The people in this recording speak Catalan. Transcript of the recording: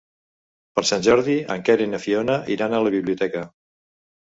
Per Sant Jordi en Quer i na Fiona iran a la biblioteca.